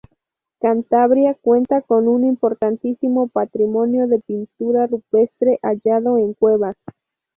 Cantabria cuenta con un importantísimo patrimonio de pintura rupestre hallado en cuevas.